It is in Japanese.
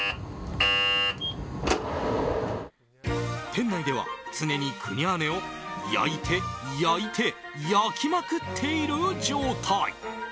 店内では常にクニャーネを焼いて焼いて焼きまくっている状態。